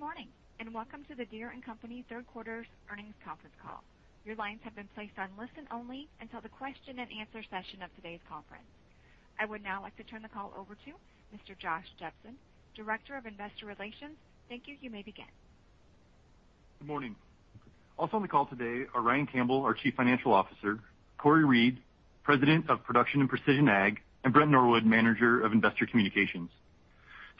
Good morning, welcome to the Deere & Company third quarter earnings conference call. I would now like to turn the call over to Mr. Josh Jepsen, Director of Investor Relations. Thank you. You may begin. Good morning. Also on the call today are Ryan Campbell, our Chief Financial Officer, Cory Reed, President of Production and Precision Ag, and Brent Norwood, Manager of Investor Communications.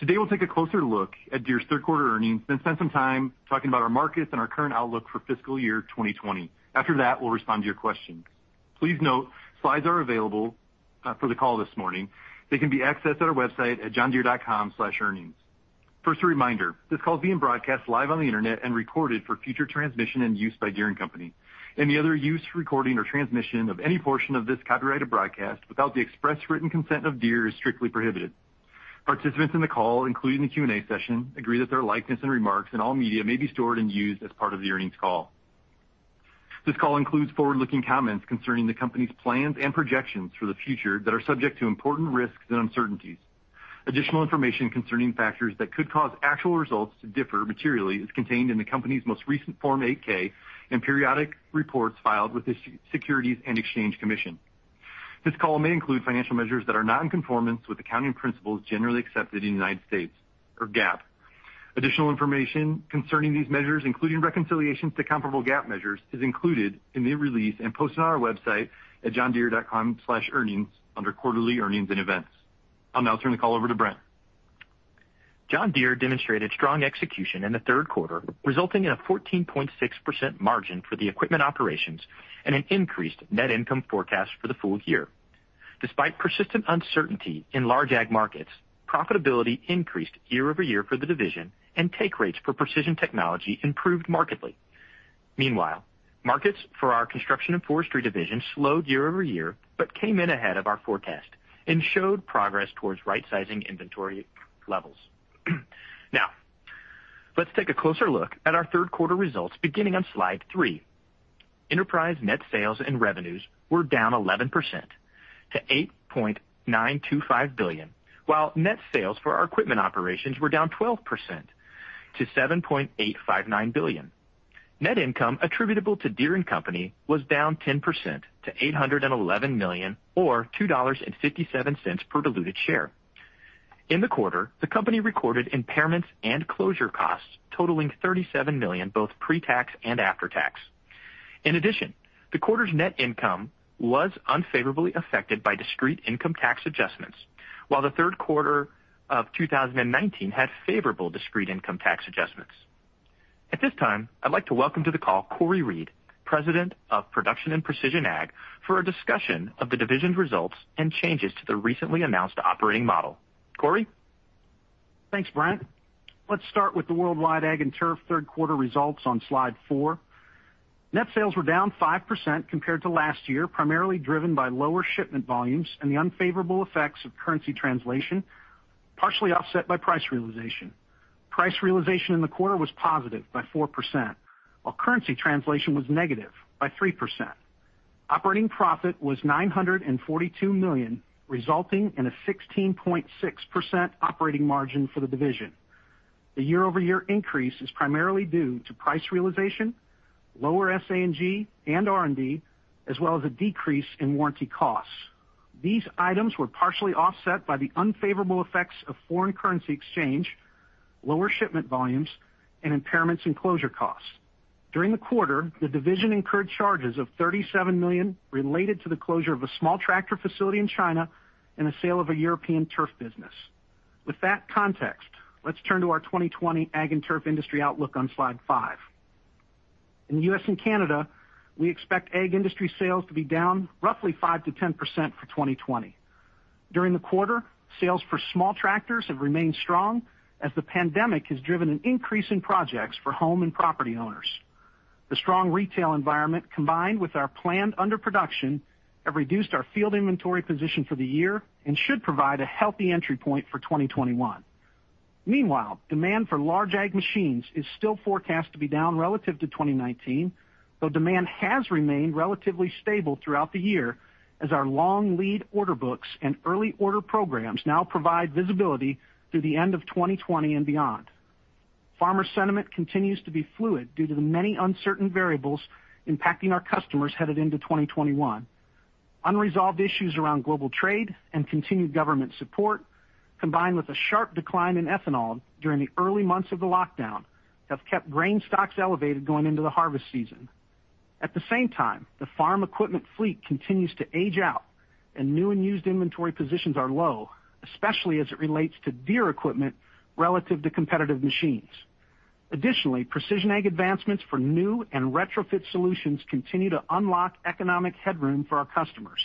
Today, we'll take a closer look at Deere's third quarter earnings and spend some time talking about our markets and our current outlook for fiscal year 2020. After that, we'll respond to your questions. Please note, slides are available for the call this morning. They can be accessed at our website at johndeere.com/earnings. First, a reminder, this call is being broadcast live on the internet and recorded for future transmission and use by Deere & Company. Any other use, recording, or transmission of any portion of this copyrighted broadcast without the express written consent of Deere is strictly prohibited. Participants in the call, including the Q&A session, agree that their likeness and remarks in all media may be stored and used as part of the earnings call. This call includes forward-looking comments concerning the company's plans and projections for the future that are subject to important risks and uncertainties. Additional information concerning factors that could cause actual results to differ materially is contained in the company's most recent Form 8-K and periodic reports filed with the Securities and Exchange Commission. This call may include financial measures that are not in conformance with the accounting principles generally accepted in the United States or GAAP. Additional information concerning these measures, including reconciliations to comparable GAAP measures, is included in the release and posted on our website at johndeere.com/earnings under Quarterly Earnings and Events. I'll now turn the call over to Brent. John Deere demonstrated strong execution in the third quarter, resulting in a 14.6% margin for the equipment operations and an increased net income forecast for the full year. Despite persistent uncertainty in large ag markets, profitability increased year-over-year for the division, and take rates for precision technology improved markedly. Markets for our Construction & Forestry division slowed year-over-year but came in ahead of our forecast and showed progress towards right-sizing inventory levels. Let's take a closer look at our third-quarter results beginning on slide three. Enterprise net sales and revenues were down 11% to $8.925 billion, while net sales for our equipment operations were down 12% to $7.859 billion. Net income attributable to Deere & Company was down 10% to $811 million or $2.57 per diluted share. In the quarter, the company recorded impairments and closure costs totaling $37 million, both pre-tax and after tax. In addition, the quarter's net income was unfavorably affected by discrete income tax adjustments, while the third quarter of 2019 had favorable discrete income tax adjustments. At this time, I'd like to welcome to the call Cory Reed, President of Production and Precision Ag, for a discussion of the division's results and changes to the recently announced operating model. Cory? Thanks, Brent. Let's start with the worldwide Ag & Turf third-quarter results on slide four. Net sales were down 5% compared to last year, primarily driven by lower shipment volumes and the unfavorable effects of currency translation, partially offset by price realization. Price realization in the quarter was positive by 4%, while currency translation was negative by 3%. Operating profit was $942 million, resulting in a 16.6% operating margin for the division. The year-over-year increase is primarily due to price realization, lower SA&G, and R&D, as well as a decrease in warranty costs. These items were partially offset by the unfavorable effects of foreign currency exchange, lower shipment volumes, and impairments and closure costs. During the quarter, the division incurred charges of $37 million related to the closure of a small tractor facility in China and the sale of a European turf business. With that context, let's turn to our 2020 Ag & Turf industry outlook on slide five. In the U.S. and Canada, we expect ag industry sales to be down roughly 5%-10% for 2020. During the quarter, sales for small tractors have remained strong as the pandemic has driven an increase in projects for home and property owners. The strong retail environment, combined with our planned underproduction, have reduced our field inventory position for the year and should provide a healthy entry point for 2021. Meanwhile, demand for large ag machines is still forecast to be down relative to 2019, though demand has remained relatively stable throughout the year as our long lead order books and early order programs now provide visibility through the end of 2020 and beyond. Farmer sentiment continues to be fluid due to the many uncertain variables impacting our customers headed into 2021. Unresolved issues around global trade and continued government support, combined with a sharp decline in ethanol during the early months of the lockdown, have kept grain stocks elevated going into the harvest season. At the same time, the farm equipment fleet continues to age out, and new and used inventory positions are low, especially as it relates to Deere equipment relative to competitive machines. Additionally, precision ag advancements for new and retrofit solutions continue to unlock economic headroom for our customers.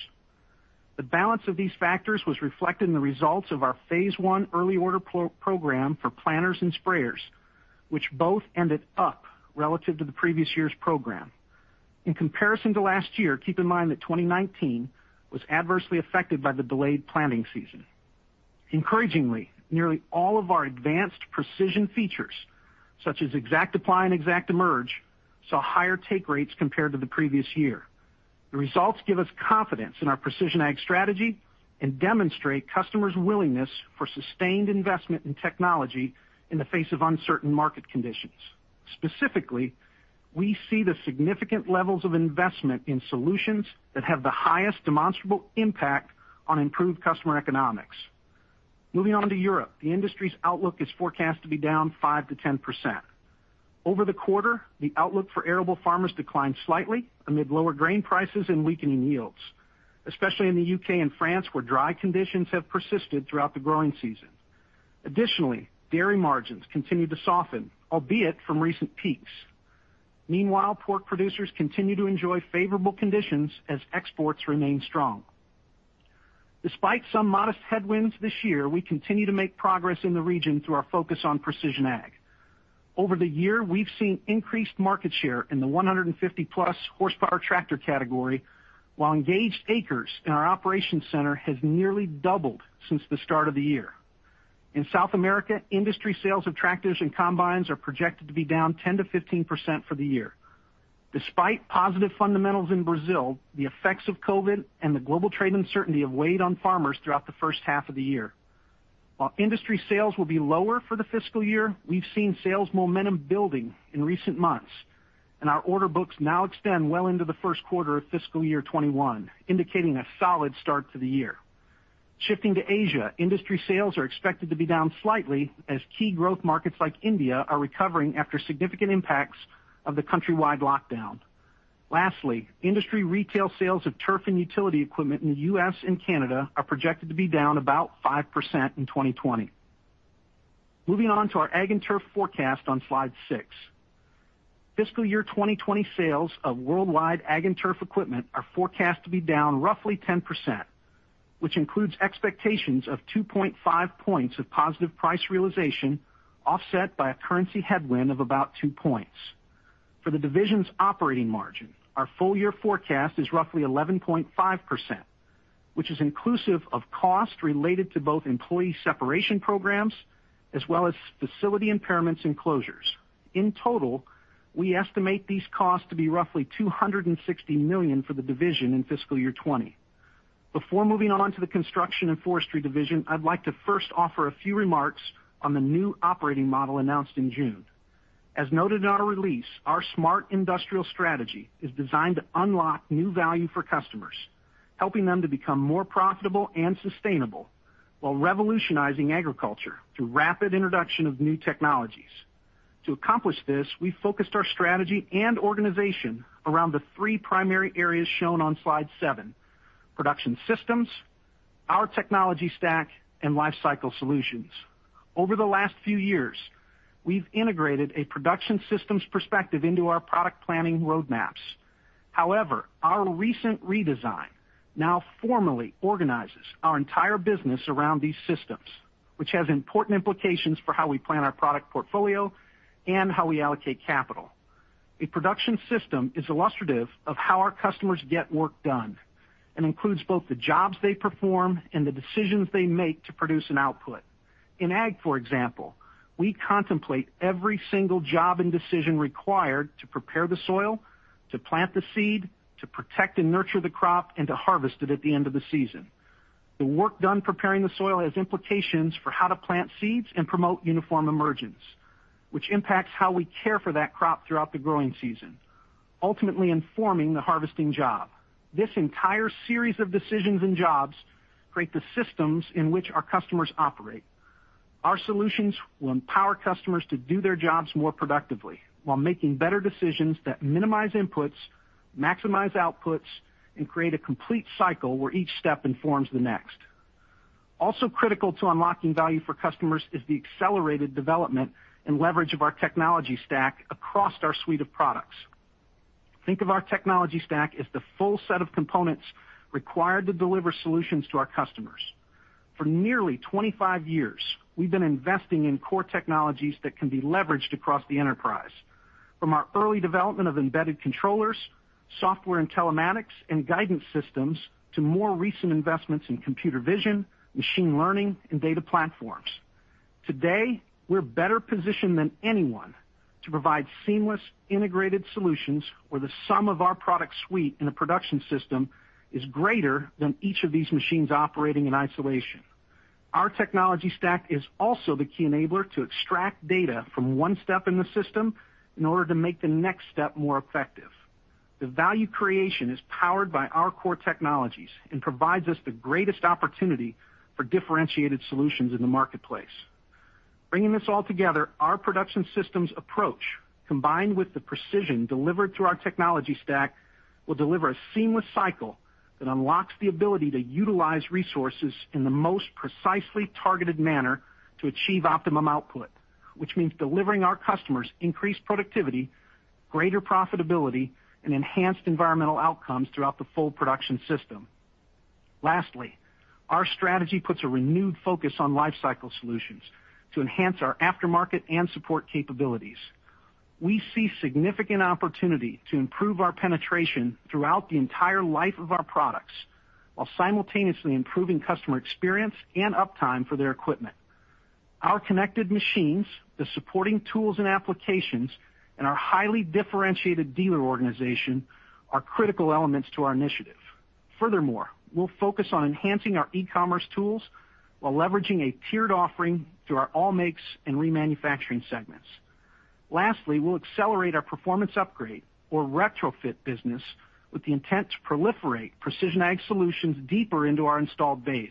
The balance of these factors was reflected in the results of our phase one early order program for planters and sprayers, which both ended up relative to the previous year's program. In comparison to last year, keep in mind that 2019 was adversely affected by the delayed planting season. Encouragingly, nearly all of our advanced precision features, such as ExactApply and ExactEmerge, saw higher take rates compared to the previous year. The results give us confidence in our precision ag strategy and demonstrate customers' willingness for sustained investment in technology in the face of uncertain market conditions. Specifically, we see the significant levels of investment in solutions that have the highest demonstrable impact on improved customer economics. Moving on to Europe, the industry's outlook is forecast to be down 5% to 10%. Over the quarter, the outlook for arable farmers declined slightly amid lower grain prices and weakening yields, especially in the U.K. and France, where dry conditions have persisted throughout the growing season. Additionally, dairy margins continued to soften, albeit from recent peaks. Meanwhile, pork producers continue to enjoy favorable conditions as exports remain strong. Despite some modest headwinds this year, we continue to make progress in the region through our focus on precision ag. Over the year, we've seen increased market share in the 150-plus horsepower tractor category, while engaged acres in our Operations Center has nearly doubled since the start of the year. In South America, industry sales of tractors and combines are projected to be down 10%-15% for the year. Despite positive fundamentals in Brazil, the effects of COVID and the global trade uncertainty have weighed on farmers throughout the first half of the year. While industry sales will be lower for the fiscal year, we've seen sales momentum building in recent months. Our order books now extend well into the first quarter of fiscal year 2021, indicating a solid start to the year. Shifting to Asia, industry sales are expected to be down slightly as key growth markets like India are recovering after significant impacts of the country-wide lockdown. Lastly, industry retail sales of turf and utility equipment in the U.S. and Canada are projected to be down about 5% in 2020. Moving on to our Ag & Turf forecast on slide six. Fiscal year 2020 sales of worldwide Ag & Turf equipment are forecast to be down roughly 10%, which includes expectations of 2.5 points of positive price realization, offset by a currency headwind of about two points. For the division's operating margin, our full-year forecast is roughly 11.5%, which is inclusive of costs related to both employee separation programs as well as facility impairments and closures. In total, we estimate these costs to be roughly $260 million for the division in fiscal year 2020. Before moving on to the Construction & Forestry division, I'd like to first offer a few remarks on the new operating model announced in June. As noted in our release, our Smart Industrial Strategy is designed to unlock new value for customers, helping them to become more profitable and sustainable while revolutionizing agriculture through rapid introduction of new technologies. To accomplish this, we focused our strategy and organization around the three primary areas shown on slide seven. Production systems, our technology stack, and life cycle solutions. Over the last few years, we've integrated a production systems perspective into our product planning roadmaps. Our recent redesign now formally organizes our entire business around these systems, which has important implications for how we plan our product portfolio and how we allocate capital. A production system is illustrative of how our customers get work done and includes both the jobs they perform and the decisions they make to produce an output. In ag, for example, we contemplate every single job and decision required to prepare the soil, to plant the seed, to protect and nurture the crop, and to harvest it at the end of the season. The work done preparing the soil has implications for how to plant seeds and promote uniform emergence, which impacts how we care for that crop throughout the growing season, ultimately informing the harvesting job. This entire series of decisions and jobs create the systems in which our customers operate. Our solutions will empower customers to do their jobs more productively while making better decisions that minimize inputs, maximize outputs, and create a complete cycle where each step informs the next. Also critical to unlocking value for customers is the accelerated development and leverage of our technology stack across our suite of products. Think of our technology stack as the full set of components required to deliver solutions to our customers. For nearly 25 years, we've been investing in core technologies that can be leveraged across the enterprise. From our early development of embedded controllers, software and telematics, and guidance systems, to more recent investments in computer vision, machine learning, and data platforms. Today, we're better positioned than anyone to provide seamless, integrated solutions where the sum of our product suite in a production system is greater than each of these machines operating in isolation. Our technology stack is also the key enabler to extract data from one step in the system in order to make the next step more effective. The value creation is powered by our core technologies and provides us the greatest opportunity for differentiated solutions in the marketplace. Bringing this all together, our production systems approach, combined with the precision delivered through our technology stack, will deliver a seamless cycle that unlocks the ability to utilize resources in the most precisely targeted manner to achieve optimum output. Which means delivering our customers increased productivity, greater profitability, and enhanced environmental outcomes throughout the full production system. Lastly, our strategy puts a renewed focus on life cycle solutions to enhance our aftermarket and support capabilities. We see significant opportunity to improve our penetration throughout the entire life of our products while simultaneously improving customer experience and uptime for their equipment. Our connected machines, the supporting tools and applications, and our highly differentiated dealer organization are critical elements to our initiative. Furthermore, we'll focus on enhancing our e-commerce tools while leveraging a tiered offering through our all makes and remanufacturing segments. Lastly, we'll accelerate our performance upgrade or retrofit business with the intent to proliferate precision ag solutions deeper into our installed base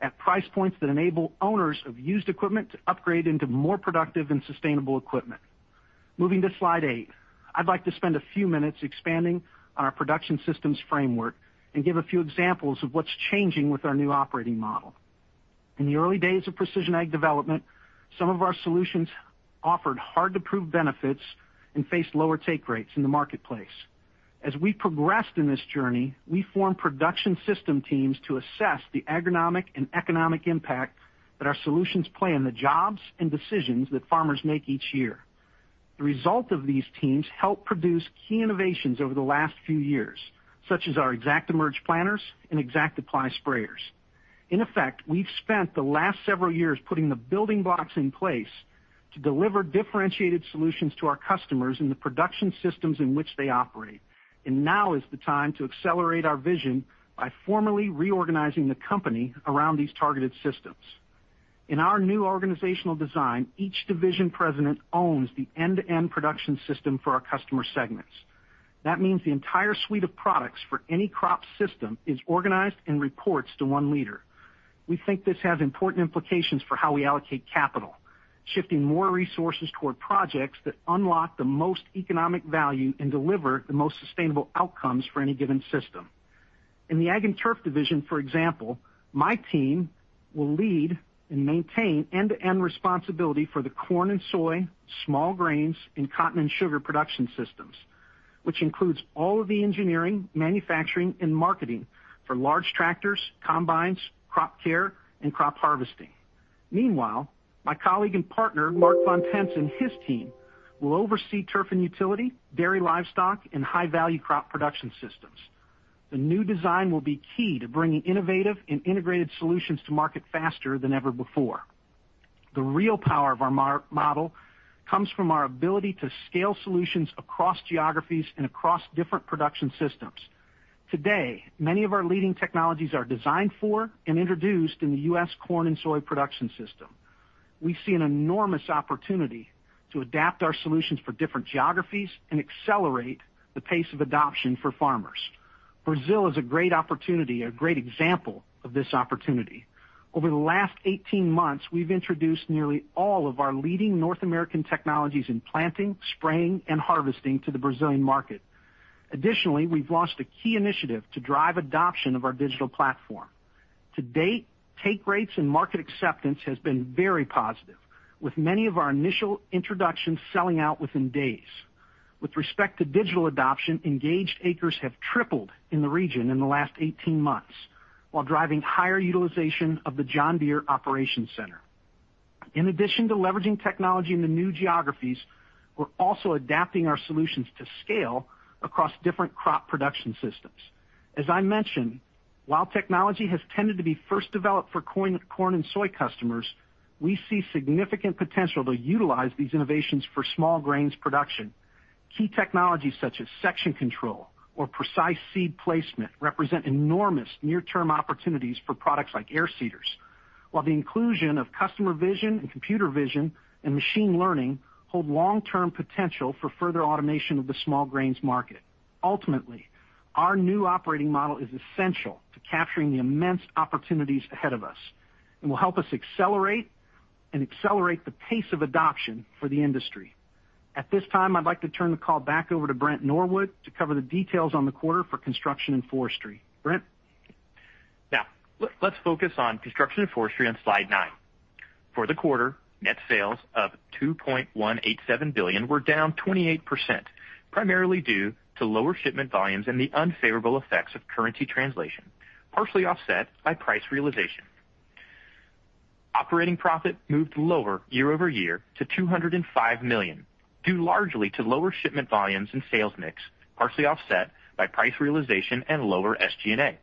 at price points that enable owners of used equipment to upgrade into more productive and sustainable equipment. Moving to slide eight, I'd like to spend a few minutes expanding on our production systems framework and give a few examples of what's changing with our new operating model. In the early days of precision ag development, some of our solutions offered hard-to-prove benefits and faced lower take rates in the marketplace. As we progressed in this journey, we formed production system teams to assess the agronomic and economic impact that our solutions play in the jobs and decisions that farmers make each year. The result of these teams helped produce key innovations over the last few years, such as our ExactEmerge planters and ExactApply sprayers. In effect, we've spent the last several years putting the building blocks in place to deliver differentiated solutions to our customers in the production systems in which they operate. Now is the time to accelerate our vision by formally reorganizing the company around these targeted systems. In our new organizational design, each division president owns the end-to-end production system for our customer segments. That means the entire suite of products for any crop system is organized and reports to one leader. We think this has important implications for how we allocate capital, shifting more resources toward projects that unlock the most economic value and deliver the most sustainable outcomes for any given system. In the Ag & Turf division, for example, my team will lead and maintain end-to-end responsibility for the corn and soy, small grains, and cotton and sugar production systems, which includes all of the engineering, manufacturing, and marketing for large tractors, combines, crop care, and crop harvesting. Meanwhile, my colleague and partner, Markwart von Pentz, his team will oversee turf and utility, dairy livestock, and high-value crop production systems. The new design will be key to bringing innovative and integrated solutions to market faster than ever before. The real power of our model comes from our ability to scale solutions across geographies and across different production systems. Today, many of our leading technologies are designed for and introduced in the U.S. corn and soy production system. We see an enormous opportunity to adapt our solutions for different geographies and accelerate the pace of adoption for farmers. Brazil is a great example of this opportunity. Over the last 18 months, we've introduced nearly all of our leading North American technologies in planting, spraying, and harvesting to the Brazilian market. Additionally, we've launched a key initiative to drive adoption of our digital platform. To date, take rates and market acceptance has been very positive, with many of our initial introductions selling out within days. With respect to digital adoption, engaged acres have tripled in the region in the last 18 months while driving higher utilization of the John Deere Operations Center. In addition to leveraging technology in the new geographies, we're also adapting our solutions to scale across different crop production systems. As I mentioned, while technology has tended to be first developed for corn and soy customers, we see significant potential to utilize these innovations for small grains production. Key technologies such as section control or precise seed placement represent enormous near-term opportunities for products like air seeders, while the inclusion of customer vision and computer vision and machine learning hold long-term potential for further automation of the small grains market. Ultimately, our new operating model is essential to capturing the immense opportunities ahead of us and will help us accelerate the pace of adoption for the industry. At this time, I'd like to turn the call back over to Brent Norwood to cover the details on the quarter for Construction & Forestry. Brent? Now, let's focus on Construction & Forestry on slide nine. For the quarter, net sales of $2.187 billion were down 28%, primarily due to lower shipment volumes and the unfavorable effects of currency translation, partially offset by price realization. Operating profit moved lower year over year to $205 million, due largely to lower shipment volumes and sales mix, partially offset by price realization and lower SG&A.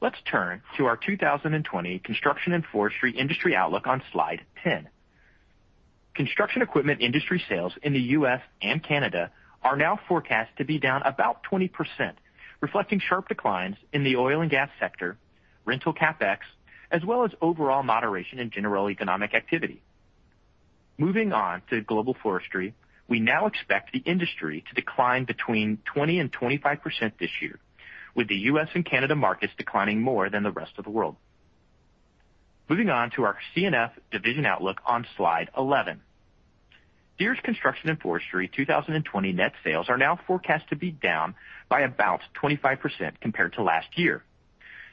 Let's turn to our 2020 Construction & Forestry industry outlook on slide 10. Construction equipment industry sales in the U.S. and Canada are now forecast to be down about 20%, reflecting sharp declines in the oil and gas sector, rental CapEx, as well as overall moderation in general economic activity. Moving on to global forestry. We now expect the industry to decline between 20% and 25% this year, with the U.S. and Canada markets declining more than the rest of the world. Moving on to our C&F division outlook on slide 11. Deere's Construction & Forestry 2020 net sales are now forecast to be down by about 25% compared to last year.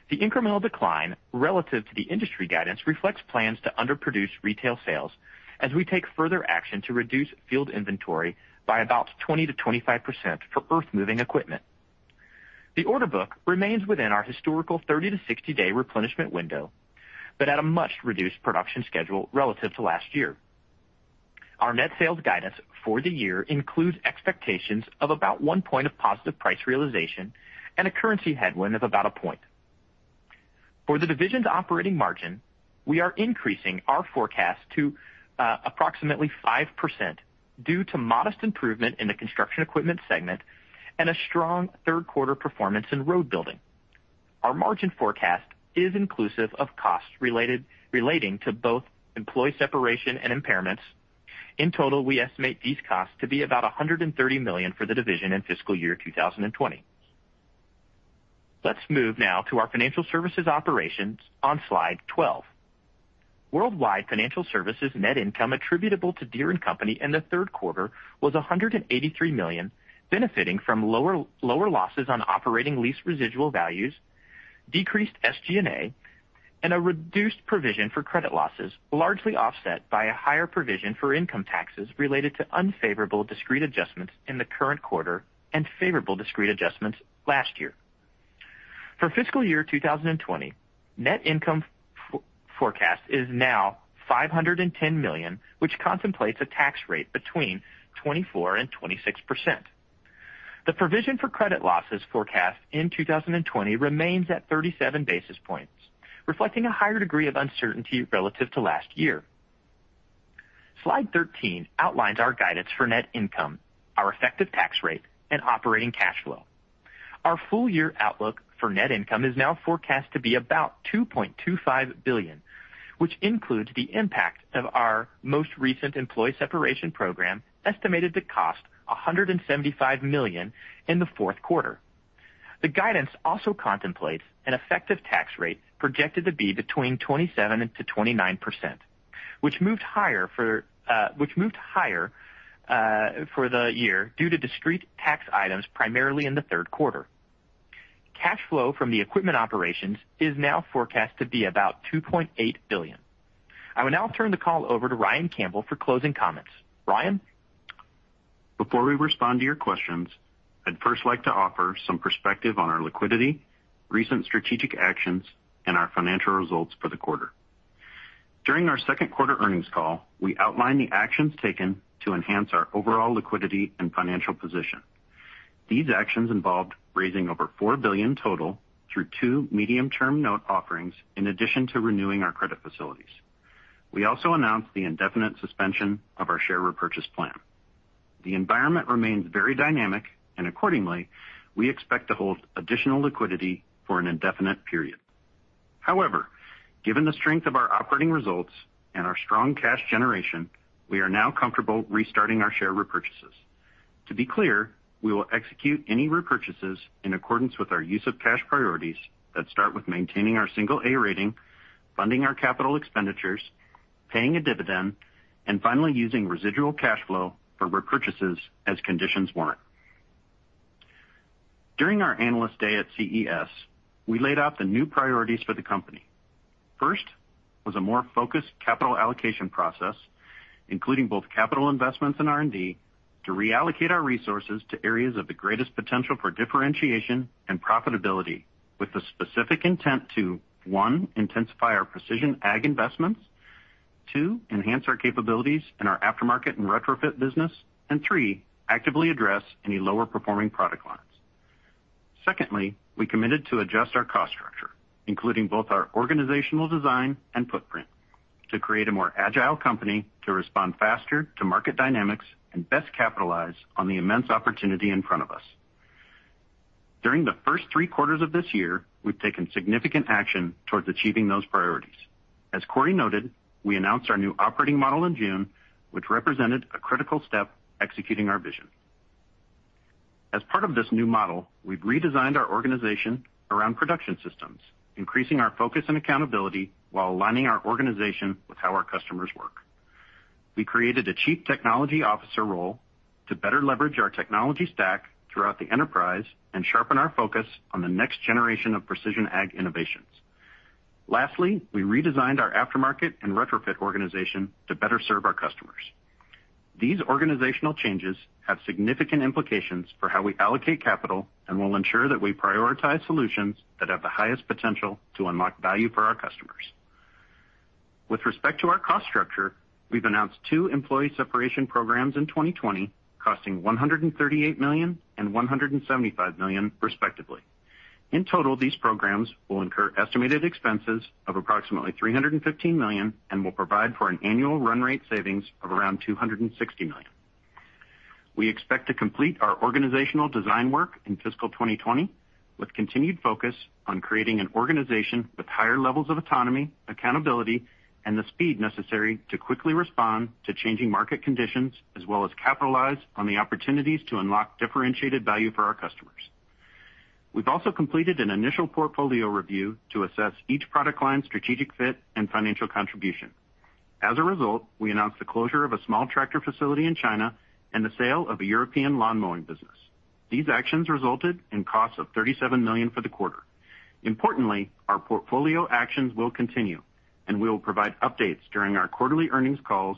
The incremental decline relative to the industry guidance reflects plans to underproduce retail sales as we take further action to reduce field inventory by about 20%-25% for earth-moving equipment. The order book remains within our historical 30-60 day replenishment window, but at a much reduced production schedule relative to last year. Our net sales guidance for the year includes expectations of about one point of positive price realization and a currency headwind of about a point. For the division's operating margin, we are increasing our forecast to approximately 5% due to modest improvement in the Construction Equipment segment and a strong third quarter performance in road building. Our margin forecast is inclusive of costs relating to both employee separation and impairments. In total, we estimate these costs to be about $130 million for the division in fiscal year 2020. Let's move now to our Financial Services operations on slide 12. Worldwide Financial Services net income attributable to Deere & Company in the third quarter was $183 million, benefiting from lower losses on operating lease residual values, decreased SG&A, and a reduced provision for credit losses, largely offset by a higher provision for income taxes related to unfavorable discrete adjustments in the current quarter and favorable discrete adjustments last year. For fiscal year 2020, net income forecast is now $510 million, which contemplates a tax rate between 24% and 26%. The provision for credit losses forecast in 2020 remains at 37 basis points, reflecting a higher degree of uncertainty relative to last year. Slide 13 outlines our guidance for net income, our effective tax rate, and operating cash flow. Our full-year outlook for net income is now forecast to be about $2.25 billion, which includes the impact of our most recent employee separation program, estimated to cost $175 million in the fourth quarter. The guidance also contemplates an effective tax rate projected to be between 27%-29%, which moved higher for the year due to discrete tax items primarily in the third quarter. Cash flow from the equipment operations is now forecast to be about $2.8 billion. I will now turn the call over to Ryan Campbell for closing comments. Ryan? Before we respond to your questions, I'd first like to offer some perspective on our liquidity, recent strategic actions, and our financial results for the quarter. During our second quarter earnings call, we outlined the actions taken to enhance our overall liquidity and financial position. These actions involved raising over $4 billion total through two medium-term note offerings, in addition to renewing our credit facilities. We also announced the indefinite suspension of our share repurchase plan. The environment remains very dynamic and accordingly, we expect to hold additional liquidity for an indefinite period. However, given the strength of our operating results and our strong cash generation, we are now comfortable restarting our share repurchases. To be clear, we will execute any repurchases in accordance with our use of cash priorities that start with maintaining our single A rating, funding our capital expenditures, paying a dividend, and finally, using residual cash flow for repurchases as conditions warrant. During our Analyst Day at CES, we laid out the new priorities for the company. First, was a more focused capital allocation process, including both capital investments and R&D to reallocate our resources to areas of the greatest potential for differentiation and profitability with the specific intent to, one, intensify our precision ag investments, two, enhance our capabilities in our aftermarket and retrofit business, and three, actively address any lower performing product lines. Secondly, we committed to adjust our cost structure, including both our organizational design and footprint, to create a more agile company to respond faster to market dynamics and best capitalize on the immense opportunity in front of us. During the first three quarters of this year, we've taken significant action towards achieving those priorities. As Cory noted, we announced our new operating model in June, which represented a critical step executing our vision. As part of this new model, we've redesigned our organization around production systems, increasing our focus and accountability while aligning our organization with how our customers work. We created a chief technology officer role to better leverage our technology stack throughout the enterprise and sharpen our focus on the next generation of precision ag innovations. Lastly, we redesigned our aftermarket and retrofit organization to better serve our customers. These organizational changes have significant implications for how we allocate capital and will ensure that we prioritize solutions that have the highest potential to unlock value for our customers. With respect to our cost structure, we've announced two employee separation programs in 2020 costing $138 million and $175 million respectively. In total, these programs will incur estimated expenses of approximately $315 million and will provide for an annual run rate savings of around $260 million. We expect to complete our organizational design work in fiscal 2020 with continued focus on creating an organization with higher levels of autonomy, accountability, and the speed necessary to quickly respond to changing market conditions, as well as capitalize on the opportunities to unlock differentiated value for our customers. We've also completed an initial portfolio review to assess each product line's strategic fit and financial contribution. As a result, we announced the closure of a small tractor facility in China and the sale of a European lawnmowing business. These actions resulted in costs of $37 million for the quarter. Importantly, our portfolio actions will continue, and we will provide updates during our quarterly earnings calls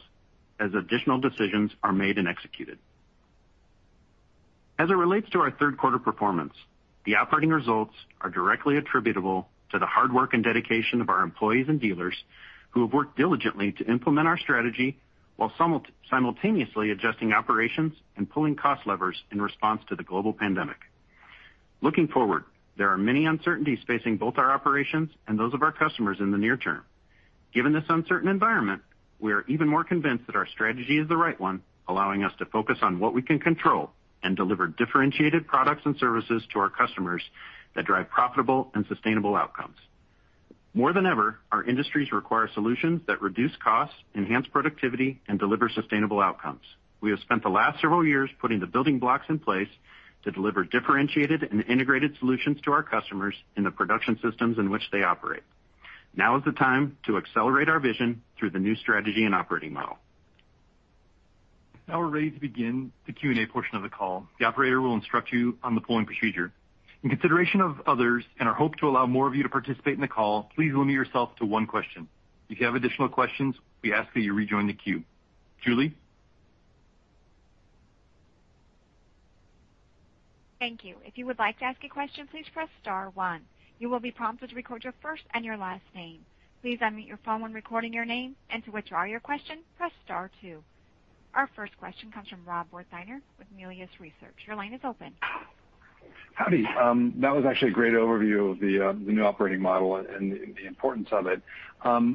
as additional decisions are made and executed. As it relates to our third quarter performance, the operating results are directly attributable to the hard work and dedication of our employees and dealers who have worked diligently to implement our strategy while simultaneously adjusting operations and pulling cost levers in response to the global pandemic. Looking forward, there are many uncertainties facing both our operations and those of our customers in the near term. Given this uncertain environment, we are even more convinced that our strategy is the right one, allowing us to focus on what we can control and deliver differentiated products and services to our customers that drive profitable and sustainable outcomes. More than ever, our industries require solutions that reduce costs, enhance productivity, and deliver sustainable outcomes. We have spent the last several years putting the building blocks in place to deliver differentiated and integrated solutions to our customers in the production systems in which they operate. Now is the time to accelerate our vision through the new strategy and operating model. Now we're ready to begin the Q&A portion of the call. The operator will instruct you on the polling procedure. In consideration of others and our hope to allow more of you to participate in the call, please limit yourself to one question. If you have additional questions, we ask that you rejoin the queue. Julie? Thank you. If you would like to ask a question, please press star one. You will be prompted to record your first and your last name. Please unmute your phone when recording your name. To withdraw your question, press star two. Our first question comes from Rob Wertheimer with Melius Research. Your line is open. Howdy. That was actually a great overview of the new operating model and the importance of it.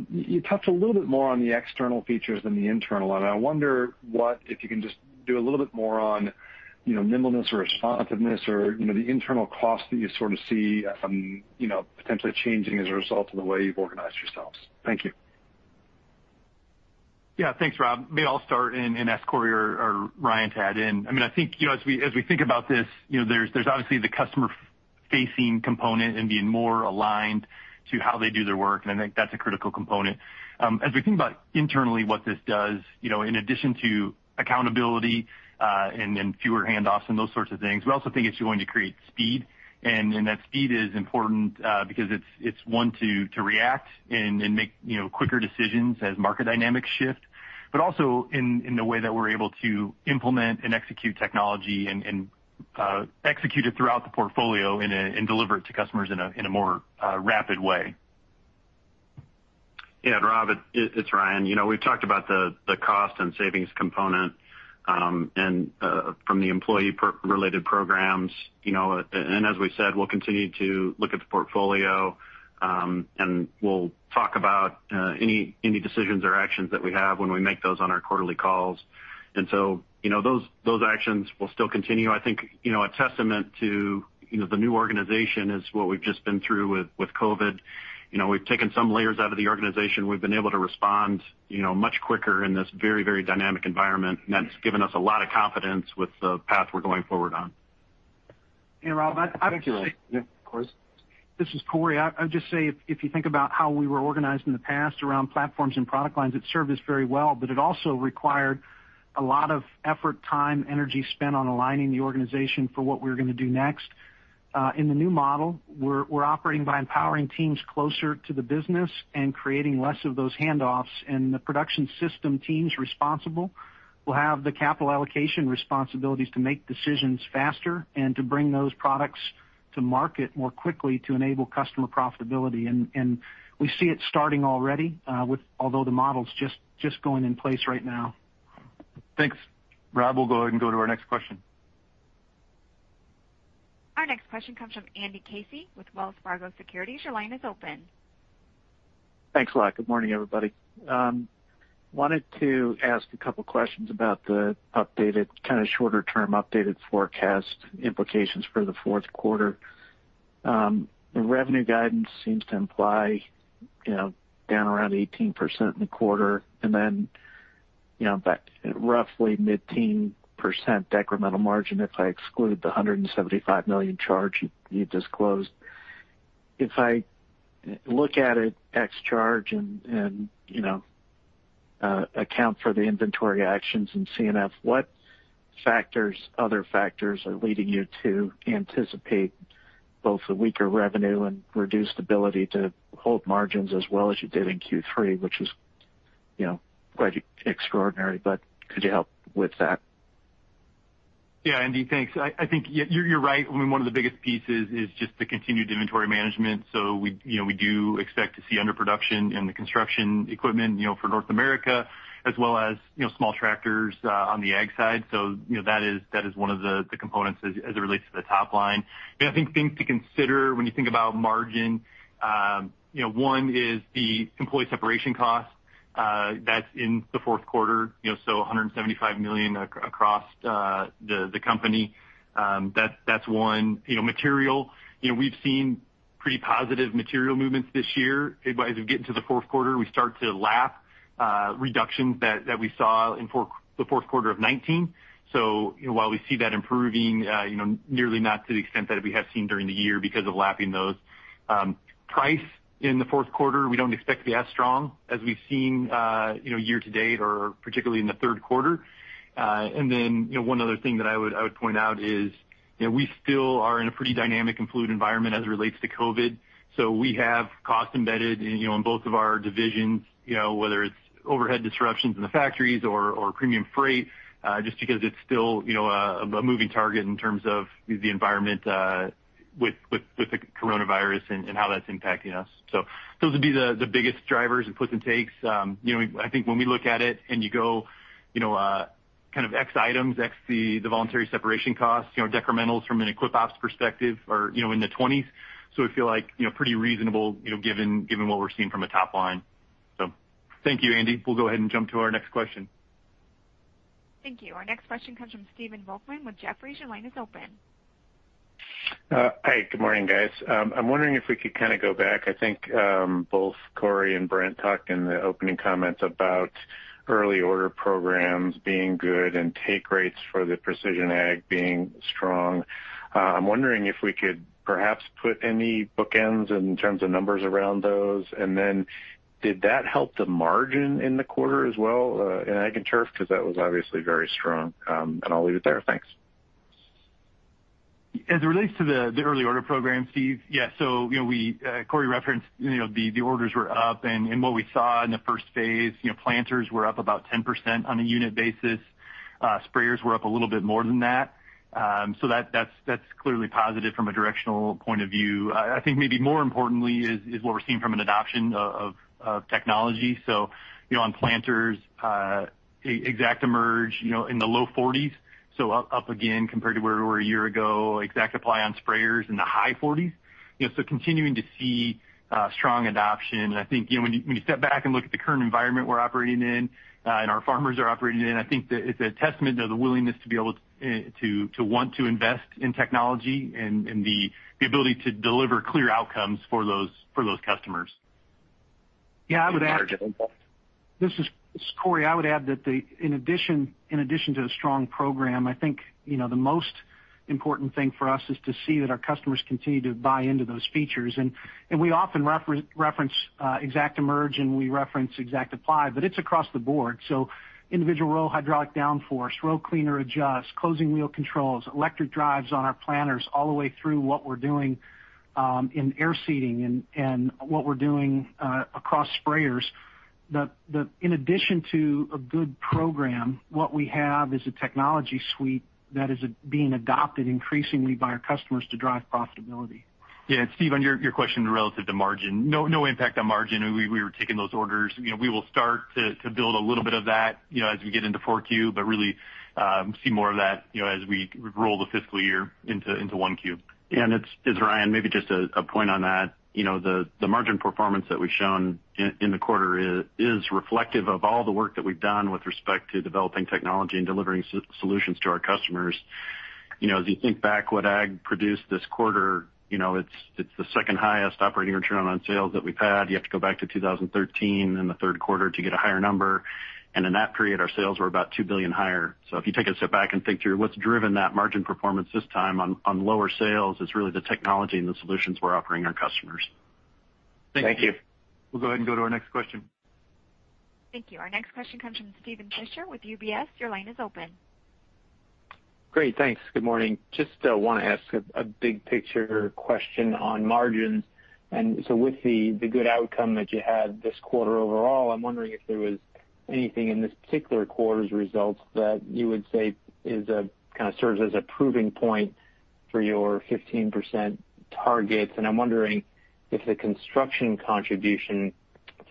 You touched a little bit more on the external features than the internal. I wonder if you can just do a little bit more on nimbleness or responsiveness or the internal cost that you sort of see potentially changing as a result of the way you've organized yourselves. Thank you. Yeah, thanks, Rob. Maybe I'll start and ask Cory or Ryan to add in. As we think about this, there's obviously the customer-facing component and being more aligned to how they do their work, and I think that's a critical component. As we think about internally what this does, in addition to accountability and fewer handoffs and those sorts of things, we also think it's going to create speed. That speed is important because it's one to react and make quicker decisions as market dynamics shift, but also in the way that we're able to implement and execute technology and execute it throughout the portfolio and deliver it to customers in a more rapid way. Yeah, Rob, it's Ryan. We've talked about the cost and savings component from the employee-related programs. As we said, we'll continue to look at the portfolio, and we'll talk about any decisions or actions that we have when we make those on our quarterly calls. Those actions will still continue. I think a testament to the new organization is what we've just been through with COVID. We've taken some layers out of the organization. We've been able to respond much quicker in this very dynamic environment, and that's given us a lot of confidence with the path we're going forward on. Thank you, Ryan. Yeah, of course. This is Cory. I would just say, if you think about how we were organized in the past around platforms and product lines, it served us very well, but it also required a lot of effort, time, energy spent on aligning the organization for what we were going to do next. In the new model, we're operating by empowering teams closer to the business and creating less of those handoffs. The production system teams responsible will have the capital allocation responsibilities to make decisions faster and to bring those products to market more quickly to enable customer profitability. We see it starting already although the model's just going in place right now. Thanks. Rob, we'll go ahead and go to our next question. Our next question comes from Andrew Casey with Wells Fargo Securities. Your line is open. Thanks a lot. Good morning, everybody. Wanted to ask a couple questions about the shorter-term updated forecast implications for the fourth quarter. The revenue guidance seems to imply down around 18% in the quarter, and then back at roughly mid-teen percent decremental margin if I exclude the $175 million charge you disclosed. If I look at it ex charge and account for the inventory actions in C&F, what other factors are leading you to anticipate both the weaker revenue and reduced ability to hold margins as well as you did in Q3, which was quite extraordinary, but could you help with that? Andy, thanks. I think you're right. One of the biggest pieces is just the continued inventory management. We do expect to see underproduction in the construction equipment for North America as well as small tractors on the Ag side. That is one of the components as it relates to the top line. I think things to consider when you think about margin. One is the employee separation cost. That's in the fourth quarter, $175 million across the company. That's one. Material. We've seen pretty positive material movements this year. As we get into the fourth quarter, we start to lap reductions that we saw in the fourth quarter of 2019. While we see that improving nearly not to the extent that we have seen during the year because of lapping those. Price in the fourth quarter we don't expect to be as strong as we've seen year to date or particularly in the third quarter. One other thing that I would point out is We still are in a pretty dynamic and fluid environment as it relates to COVID. We have costs embedded in both of our divisions, whether it's overhead disruptions in the factories or premium freight, just because it's still a moving target in terms of the environment with the coronavirus and how that's impacting us. Those would be the biggest drivers and puts and takes. I think when we look at it and you go kind of ex items, ex the voluntary separation costs, decrementals from an equip ops perspective are in the 20s. We feel like pretty reasonable given what we're seeing from a top line. Thank you, Andy. We'll go ahead and jump to our next question. Thank you. Our next question comes from Stephen Volkmann with Jefferies. Your line is open. Hi, good morning, guys. I'm wondering if we could kind of go back. I think both Cory and Brent talked in the opening comments about early order programs being good and take rates for the precision Ag being strong. I'm wondering if we could perhaps put any bookends in terms of numbers around those. Did that help the margin in the quarter as well in Ag & Turf? Because that was obviously very strong. I'll leave it there. Thanks. As it relates to the early order program, Stephen, yeah. Cory referenced the orders were up, and what we saw in the first phase, planters were up about 10% on a unit basis. Sprayers were up a little bit more than that. That's clearly positive from a directional point of view. I think maybe more importantly is what we're seeing from an adoption of technology. On planters, ExactEmerge in the low 40s, up again compared to where we were a year ago. ExactApply on sprayers in the high 40s. Continuing to see strong adoption. I think when you step back and look at the current environment we're operating in and our farmers are operating in, I think that it's a testament to the willingness to be able to want to invest in technology and the ability to deliver clear outcomes for those customers. Yeah, I would add- The margin impact. This is Cory. I would add that in addition to the strong program, I think the most important thing for us is to see that our customers continue to buy into those features. We often reference ExactEmerge and we reference ExactApply, but it's across the board. Individual row hydraulic downforce, row cleaner adjust, closing wheel controls, electric drives on our planters, all the way through what we're doing in air seeding and what we're doing across sprayers. In addition to a good program, what we have is a technology suite that is being adopted increasingly by our customers to drive profitability. Yeah. Stephen, your question relative to margin. No impact on margin. We were taking those orders. We will start to build a little bit of that as we get into 4Q, but really see more of that as we roll the fiscal year into 1Q. It's Ryan. Maybe just a point on that. The margin performance that we've shown in the quarter is reflective of all the work that we've done with respect to developing technology and delivering solutions to our customers. As you think back what ag produced this quarter, it's the second highest operating return on sales that we've had. You have to go back to 2013 in the third quarter to get a higher number. In that period, our sales were about $2 billion higher. If you take a step back and think through what's driven that margin performance this time on lower sales, it's really the technology and the solutions we're offering our customers. Thank you. We'll go ahead and go to our next question. Thank you. Our next question comes from Steven Fisher with UBS. Your line is open. Great. Thanks. Good morning. Just want to ask a big picture question on margins. With the good outcome that you had this quarter overall, I'm wondering if there was anything in this particular quarter's results that you would say kind of serves as a proving point for your 15% targets. I'm wondering if the construction contribution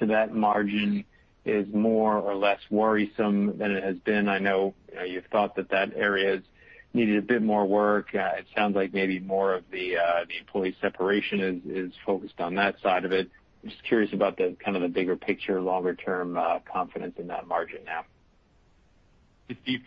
to that margin is more or less worrisome than it has been. I know you've thought that that area has needed a bit more work. It sounds like maybe more of the employee separation is focused on that side of it. I'm just curious about the kind of the bigger picture, longer-term confidence in that margin now. Steve,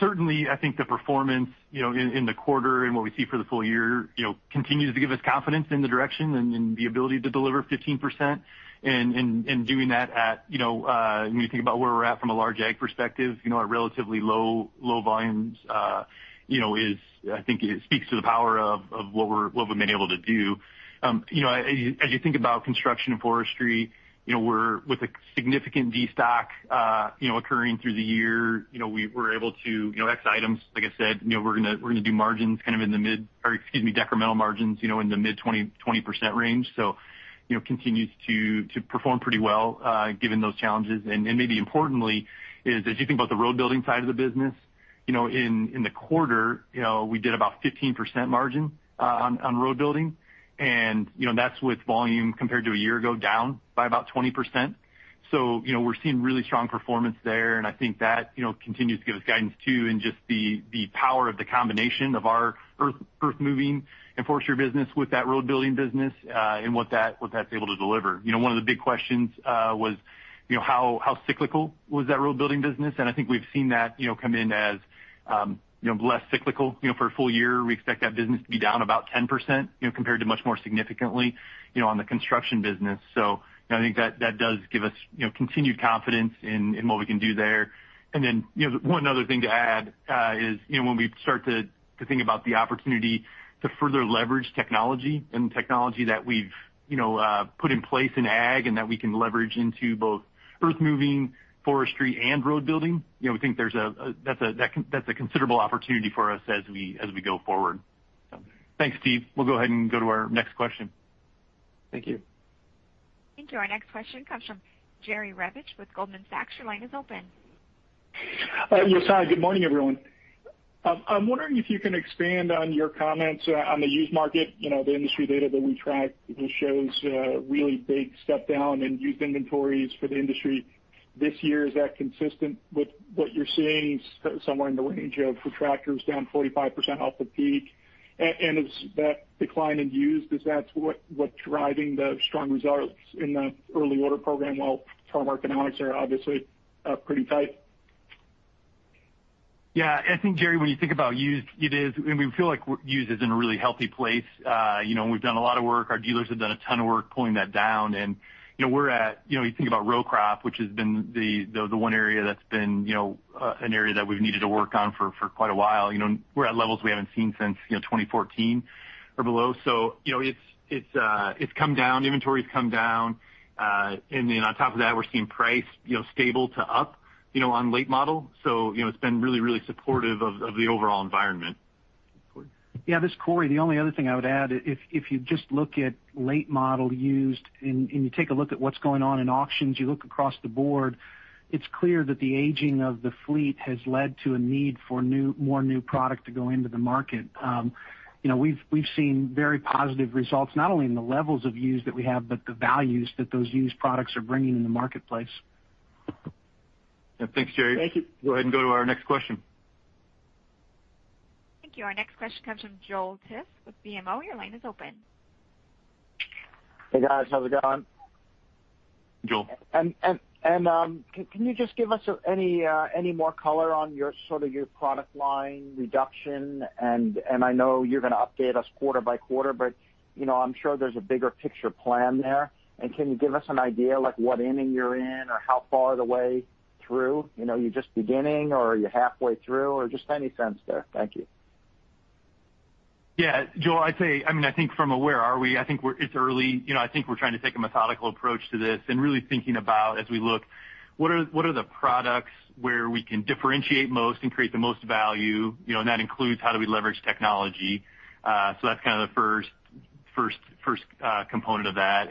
certainly, I think the performance in the quarter and what we see for the full year continues to give us confidence in the direction and in the ability to deliver 15%. Doing that at, when you think about where we're at from a large ag perspective, our relatively low volumes I think speaks to the power of what we've been able to do. As you think about Construction and Forestry, with a significant destock occurring through the year, we were able to ex items, like I said. We're going to do decrementals margins in the mid-20% range. Continues to perform pretty well given those challenges. Maybe importantly is as you think about the road building side of the business, in the quarter, we did about 15% margin on road building, and that's with volume compared to a year ago down by about 20%. We're seeing really strong performance there, and I think that continues to give us guidance, too, in just the power of the combination of our earthmoving and forestry business with that road building business and what that's able to deliver. One of the big questions was how cyclical was that road building business, and I think we've seen that come in as less cyclical. For a full year, we expect that business to be down about 10% compared to much more significantly on the construction business. I think that does give us continued confidence in what we can do there. One other thing to add is when we start to think about the opportunity to further leverage technology and technology that we've put in place in ag and that we can leverage into both earthmoving, forestry, and road building, we think that's a considerable opportunity for us as we go forward. Thanks, Steven. We'll go ahead and go to our next question. Thank you. Thank you. Our next question comes from Jerry Revich with Goldman Sachs. Your line is open. Yes. Hi. Good morning, everyone. I'm wondering if you can expand on your comments on the used market. The industry data that we track shows a really big step down in used inventories for the industry this year. Is that consistent with what you're seeing somewhere in the range of for tractors down 45% off the peak? Is that decline in used what's driving the strong results in the Early Order Program, while farm economics are obviously pretty tight? Yeah. I think, Jerry, when you think about used, it is. We feel like used is in a really healthy place. We've done a lot of work. Our dealers have done a ton of work pulling that down. You think about row crop, which has been the one area that's been an area that we've needed to work on for quite a while. We're at levels we haven't seen since 2014 or below. It's come down. Inventory's come down. On top of that, we're seeing price stable to up on late model. It's been really supportive of the overall environment. Yeah. This is Cory. The only other thing I would add, if you just look at late model used, and you take a look at what's going on in auctions, you look across the board, it's clear that the aging of the fleet has led to a need for more new product to go into the market. We've seen very positive results, not only in the levels of used that we have, but the values that those used products are bringing in the marketplace. Yeah. Thanks, Jerry. Thank you. Go ahead and go to our next question. Thank you. Our next question comes from Joel Jackson with BMO. Your line is open. Hey, guys. How's it going? Joel. Can you just give us any more color on your product line reduction? I know you're going to update us quarter by quarter, but I'm sure there's a bigger picture plan there. Can you give us an idea, like what inning you're in or how far of the way through? Are you just beginning or are you halfway through, or just any sense there? Thank you. Yeah. Joel, I'd say, I think it's early. I think we're trying to take a methodical approach to this and really thinking about as we look, what are the products where we can differentiate most and create the most value? That includes how do we leverage technology. That's kind of the first component of that.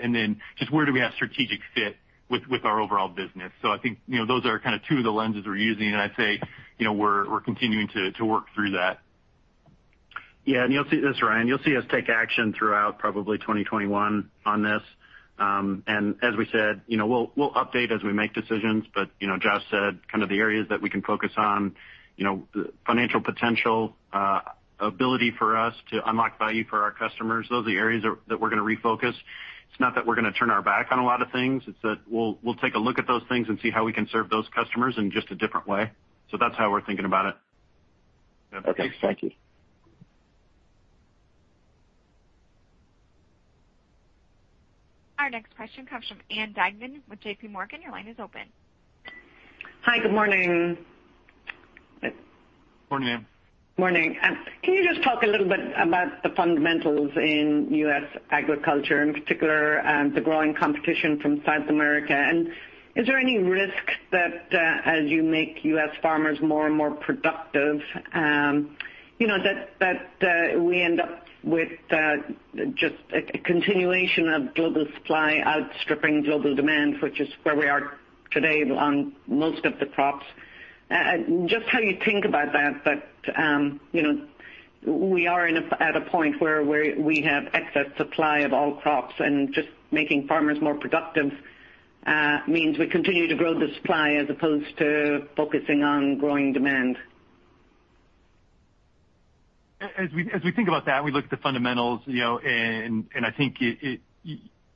Just where do we have strategic fit with our overall business? I think those are kind of two of the lenses we're using, and I'd say we're continuing to work through that. Yeah. This is Ryan. You'll see us take action throughout probably 2021 on this. As we said, we'll update as we make decisions. Josh said the areas that we can focus on, financial potential, ability for us to unlock value for our customers. Those are the areas that we're going to refocus. It's not that we're going to turn our back on a lot of things. It's that we'll take a look at those things and see how we can serve those customers in just a different way. That's how we're thinking about it. Okay. Thank you. Our next question comes from Ann Duignan with JPMorgan. Your line is open. Hi. Good morning. Morning, Ann. Morning. Can you just talk a little bit about the fundamentals in U.S. agriculture, in particular, the growing competition from South America? Is there any risk that as you make U.S. farmers more and more productive that we end up with just a continuation of global supply outstripping global demand, which is where we are today on most of the crops? Just how you think about that. We are at a point where we have excess supply of all crops and just making farmers more productive means we continue to grow the supply as opposed to focusing on growing demand. As we think about that, we look at the fundamentals. I think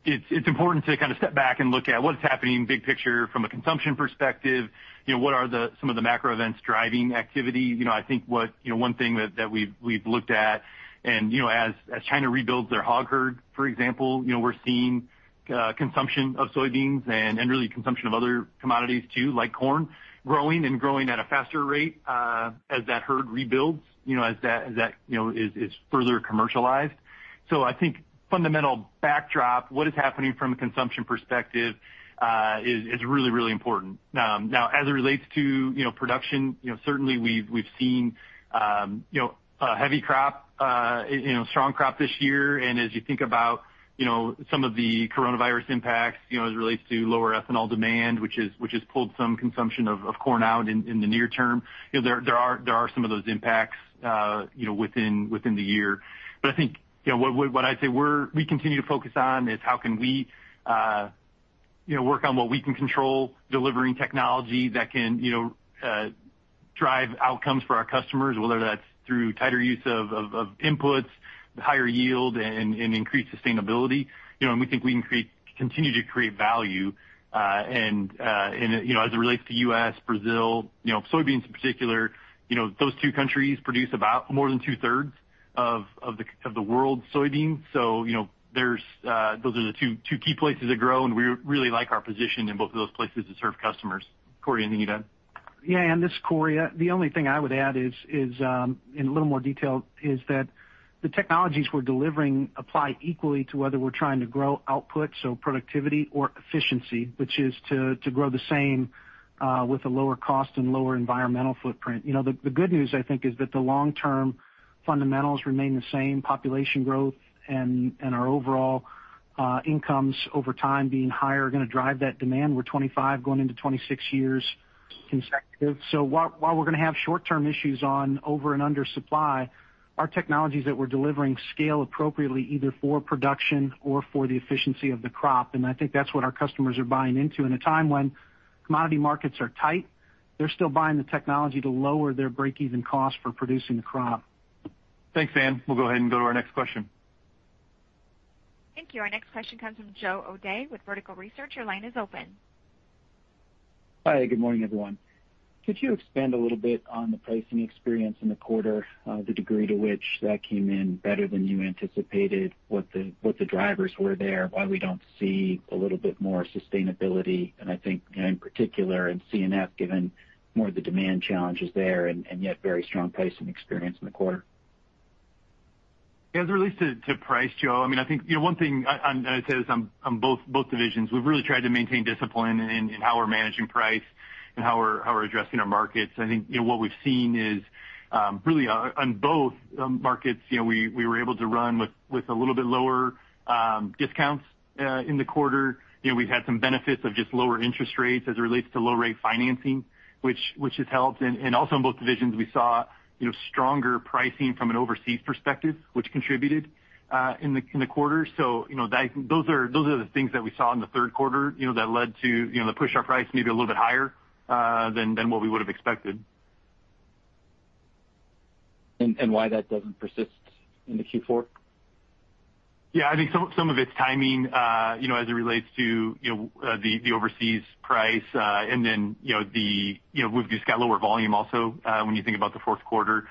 it's important to kind of step back and look at what's happening big picture from a consumption perspective. What are some of the macro events driving activity? I think one thing that we've looked at and as China rebuilds their hog herd, for example, we're seeing consumption of soybeans and really consumption of other commodities too, like corn, growing and growing at a faster rate as that herd rebuilds, as that is further commercialized. I think fundamental backdrop, what is happening from a consumption perspective is really important. Now, as it relates to production, certainly we've seen a heavy crop, strong crop this year. As you think about some of the coronavirus impacts as it relates to lower ethanol demand, which has pulled some consumption of corn out in the near term, there are some of those impacts within the year. I think what I'd say we continue to focus on is how can we work on what we can control, delivering technology that can drive outcomes for our customers, whether that's through tighter use of inputs, higher yield and increased sustainability. We think we can continue to create value. As it relates to U.S., Brazil, soybeans in particular, those two countries produce about more than two-thirds of the world's soybeans. Those are the two key places to grow, and we really like our position in both of those places to serve customers. Cory, anything you'd add? Yeah. Ann, this is Cory. The only thing I would add is, in a little more detail, is that the technologies we're delivering apply equally to whether we're trying to grow output, so productivity or efficiency. Which is to grow the same with a lower cost and lower environmental footprint. The good news, I think, is that the long-term. Fundamentals remain the same. Population growth and our overall incomes over time being higher are going to drive that demand. We're 25 going into 26 years consecutive. While we're going to have short-term issues on over and under supply, our technologies that we're delivering scale appropriately either for production or for the efficiency of the crop. I think that's what our customers are buying into. In a time when commodity markets are tight, they're still buying the technology to lower their break-even cost for producing the crop. Thanks, Ann. We'll go ahead and go to our next question. Thank you. Our next question comes from Joe O'Dea with Vertical Research. Your line is open. Hi, good morning, everyone. Could you expand a little bit on the pricing experience in the quarter, the degree to which that came in better than you anticipated, what the drivers were there, why we don't see a little bit more sustainability, and I think in particular in C&F, given more of the demand challenges there and yet very strong pricing experience in the quarter? As it relates to price, Joe, one thing I'd say is on both divisions, we've really tried to maintain discipline in how we're managing price and how we're addressing our markets. I think what we've seen is really on both markets, we were able to run with a little bit lower discounts in the quarter. We've had some benefits of just lower interest rates as it relates to low-rate financing, which has helped. Also on both divisions, we saw stronger pricing from an overseas perspective, which contributed in the quarter. Those are the things that we saw in the third quarter that led to the push-up price maybe a little bit higher than what we would've expected. Why that doesn't persist into Q4? Yeah, I think some of it's timing as it relates to the overseas price. We've just got lower volume also when you think about the fourth quarter.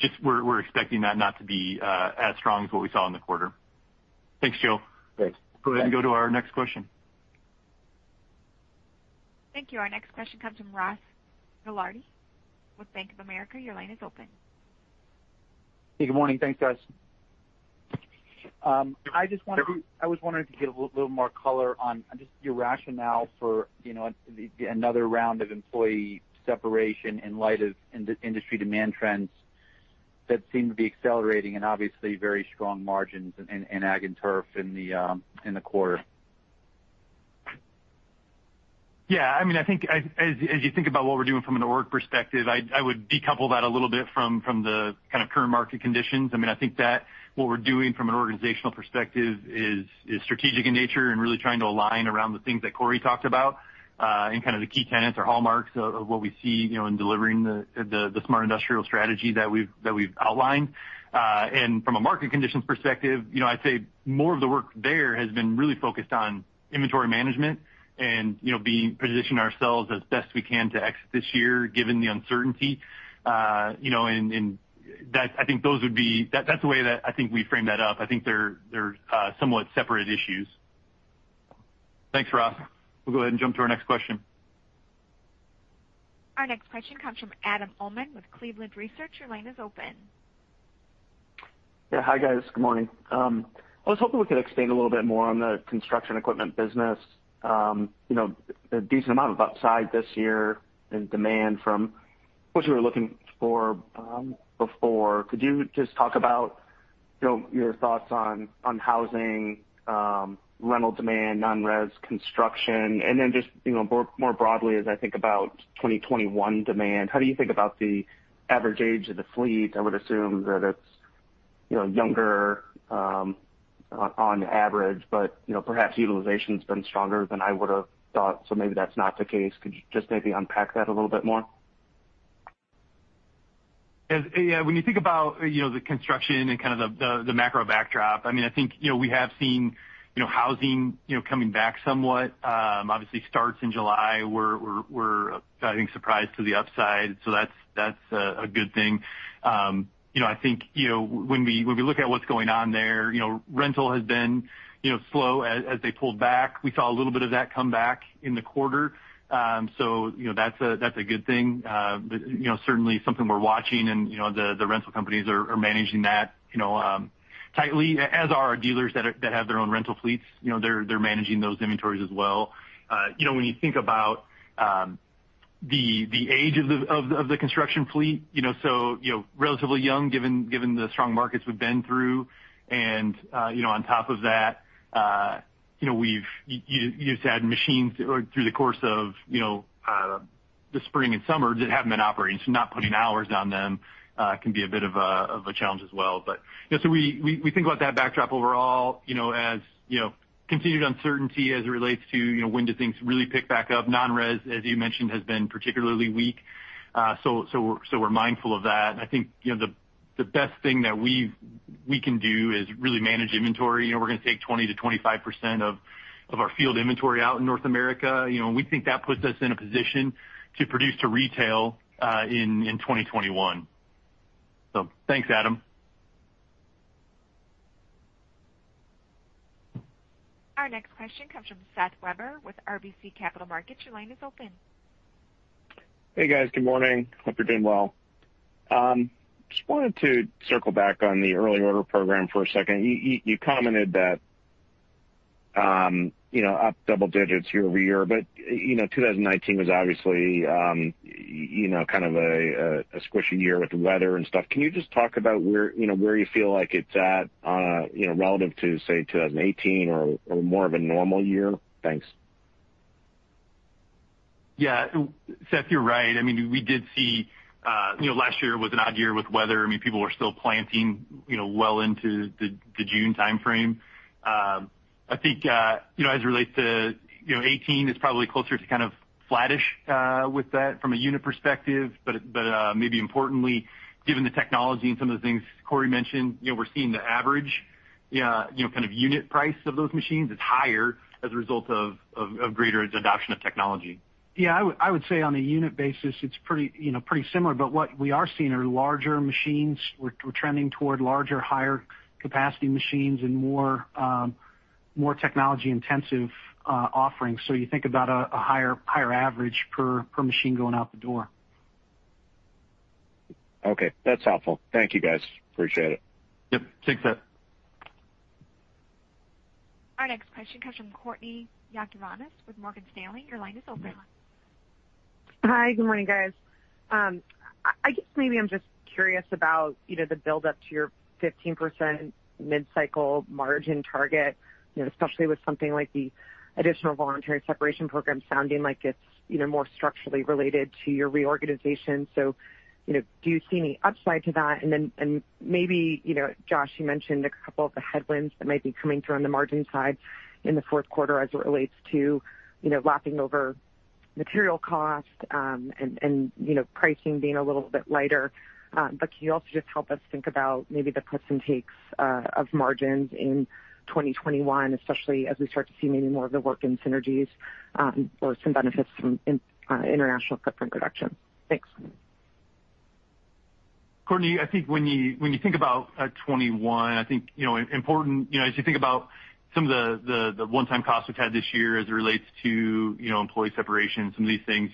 Just we're expecting that not to be as strong as what we saw in the quarter. Thanks, Joe. Thanks. Go ahead and go to our next question. Thank you. Our next question comes from Ross Gilardi with Bank of America. Your line is open. Hey, good morning. Thanks, guys. I was wondering to get a little more color on just your rationale for another round of employee separation in light of industry demand trends that seem to be accelerating and obviously very strong margins in Ag & Turf in the quarter. Yeah, as you think about what we're doing from an org perspective, I would decouple that a little bit from the kind of current market conditions. I think that what we're doing from an organizational perspective is strategic in nature and really trying to align around the things that Cory talked about and kind of the key tenets or hallmarks of what we see in delivering the Smart Industrial Strategy that we've outlined. From a market conditions perspective, I'd say more of the work there has been really focused on inventory management and positioning ourselves as best we can to exit this year given the uncertainty. I think that's the way that I think we frame that up. I think they're somewhat separate issues. Thanks, Ross. We'll go ahead and jump to our next question. Our next question comes from Adam Uhlman with Cleveland Research. Yeah. Hi, guys. Good morning. I was hoping we could expand a little bit more on the construction equipment business. A decent amount of upside this year in demand from what you were looking for before. Could you just talk about your thoughts on housing, rental demand, non-res construction? Then just more broadly as I think about 2021 demand, how do you think about the average age of the fleet? I would assume that it's younger on average, but perhaps utilization's been stronger than I would've thought, so maybe that's not the case. Could you just maybe unpack that a little bit more? When you think about the construction and kind of the macro backdrop, I think we have seen housing coming back somewhat. Starts in July were, I think, surprise to the upside. That's a good thing. I think when we look at what's going on there, rental has been slow as they pulled back. We saw a little bit of that come back in the quarter. That's a good thing. Certainly something we're watching and the rental companies are managing that tightly, as are our dealers that have their own rental fleets. They're managing those inventories as well. When you think about the age of the construction fleet, so relatively young given the strong markets we've been through. On top of that you just add machines through the course of the spring and summer that haven't been operating. Not putting hours on them can be a bit of a challenge as well. We think about that backdrop overall as continued uncertainty as it relates to when do things really pick back up. Non-res, as you mentioned, has been particularly weak. We're mindful of that, and I think the best thing that we can do is really manage inventory. We're going to take 20%-25% of our field inventory out in North America. We think that puts us in a position to produce to retail in 2021. Thanks, Adam. Our next question comes from Seth Weber with RBC Capital Markets. Your line is open. Hey, guys. Good morning. Hope you're doing well. Just wanted to circle back on the early order program for a second. You commented thatUp double digits year-over-year. 2019 was obviously kind of a squishy year with weather and stuff. Can you just talk about where you feel like it's at relative to, say, 2018 or more of a normal year? Thanks. Yeah. Seth, you're right. Last year was an odd year with weather. People were still planting well into the June timeframe. I think as it relates to 2018, it's probably closer to kind of flattish with that from a unit perspective. Maybe importantly, given the technology and some of the things Cory mentioned, we're seeing the average kind of unit price of those machines is higher as a result of greater adoption of technology. Yeah, I would say on a unit basis, it's pretty similar. What we are seeing are larger machines. We're trending toward larger, higher capacity machines and more technology-intensive offerings. You think about a higher average per machine going out the door. Okay. That's helpful. Thank you, guys. Appreciate it. Yep. Thanks, Seth. Our next question comes from Courtney Yakavonis with Morgan Stanley. Your line is open. Hi. Good morning, guys. I guess maybe I'm just curious about the build-up to your 15% mid-cycle margin target, especially with something like the additional voluntary separation program sounding like it's more structurally related to your reorganization. Do you see any upside to that? Maybe Josh, you mentioned a couple of the headwinds that might be coming through on the margin side in the fourth quarter as it relates to lapping over material cost and pricing being a little bit lighter. Can you also just help us think about maybe the puts and takes of margins in 2021, especially as we start to see maybe more of the work in synergies or some benefits from international footprint reduction? Thanks. Courtney, I think when you think about 2021, as you think about some of the one-time costs we've had this year as it relates to employee separation, some of these things,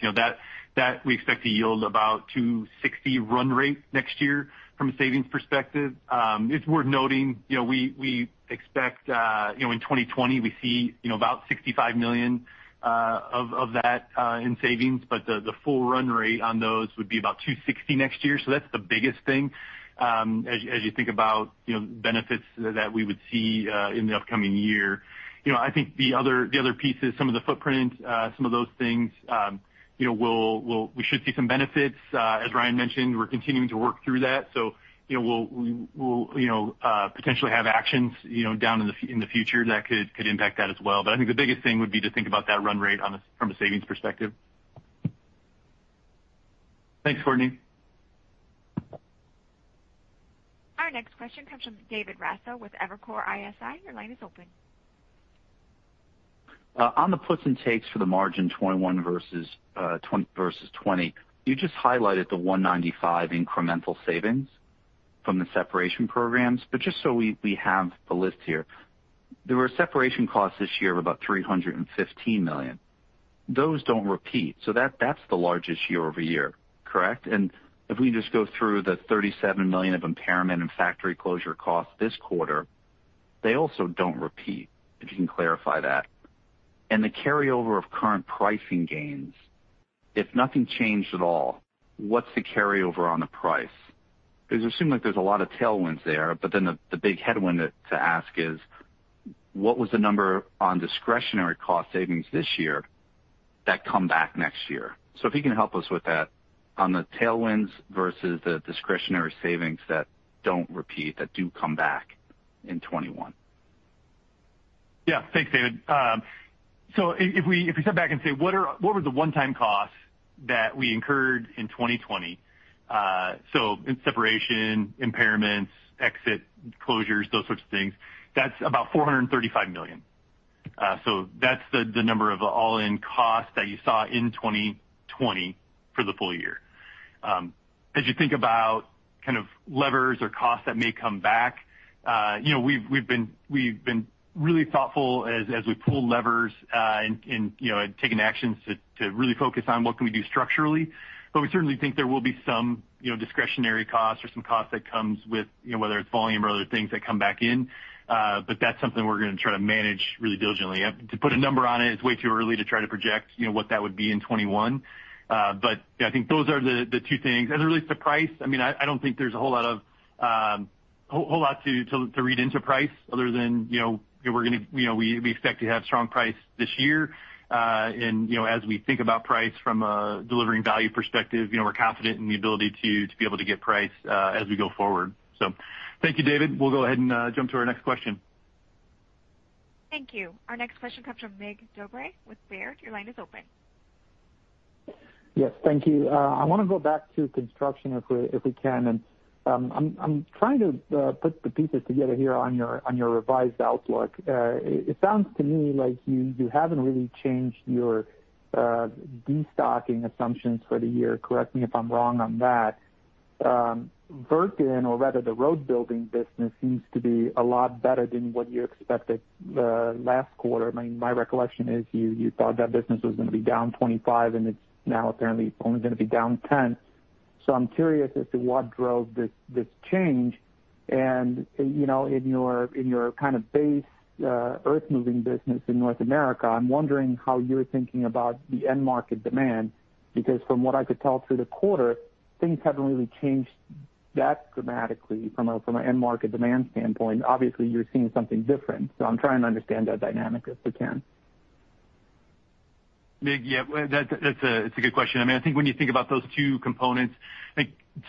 that we expect to yield about $260 million run rate next year from a savings perspective. It's worth noting we expect in 2020, we see about $65 million of that in savings, but the full run rate on those would be about $260 million next year. That's the biggest thing as you think about benefits that we would see in the upcoming year. I think the other piece is some of the footprint, some of those things, we should see some benefits. As Ryan mentioned, we're continuing to work through that, we'll potentially have actions down in the future that could impact that as well. I think the biggest thing would be to think about that run rate from a savings perspective. Thanks, Courtney. Our next question comes from David Raso with Evercore ISI. Your line is open. On the puts and takes for the margin 2021 versus 2020. You just highlighted the $195 million incremental savings from the separation programs. Just so we have the list here, there were separation costs this year of about $315 million. Those don't repeat. That's the largest year-over-year, correct? If we just go through the $37 million of impairment and factory closure costs this quarter, they also don't repeat. If you can clarify that. The carryover of current pricing gains, if nothing changed at all, what's the carryover on the price? It seems like there's a lot of tailwinds there, the big headwind to ask is what was the number on discretionary cost savings this year that come back next year? If you can help us with that on the tailwinds versus the discretionary savings that don't repeat, that do come back in 2021. Yeah. Thanks, David. If we step back and say, what were the one-time costs that we incurred in 2020? In separation, impairments, exit closures, those sorts of things, that's about $435 million. That's the number of all-in costs that you saw in 2020 for the full year. As you think about kind of levers or costs that may come back, we've been really thoughtful as we pull levers and taken actions to really focus on what can we do structurally. We certainly think there will be some discretionary costs or some cost that comes with whether it's volume or other things that come back in. That's something we're going to try to manage really diligently. To put a number on it's way too early to try to project what that would be in 2021. I think those are the two things. As it relates to price, I don't think there's a whole lot to read into price other than we expect to have strong price this year. As we think about price from a delivering value perspective, we're confident in the ability to be able to get price as we go forward. Thank you, David. We'll go ahead and jump to our next question. Thank you. Our next question comes from Mircea Dobre with Baird. Your line is open. Yes. Thank you. I want to go back to construction if we can. I'm trying to put the pieces together here on your revised outlook. It sounds to me like you haven't really changed your destocking assumptions for the year. Correct me if I'm wrong on that. Wirtgen, or rather the road building business seems to be a lot better than what you expected last quarter. My recollection is you thought that business was going to be down 25% and it's now apparently only going to be down 10%. I'm curious as to what drove this change and in your base earthmoving business in North America, I'm wondering how you're thinking about the end market demand, because from what I could tell through the quarter, things haven't really changed that dramatically from an end market demand standpoint. Obviously, you're seeing something different, so I'm trying to understand that dynamic, if I can. Mircea, yeah, that's a good question. I think when you think about those two components,